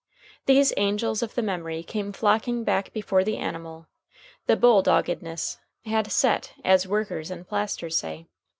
These angels of the memory came flocking back before the animal, the bull doggedness, had "set," as workers in plaster say.